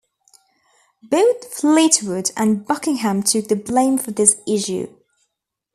Both Fleetwood and Buckingham took the blame for this issue.